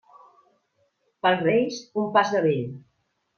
Pels Reis, un pas de vell.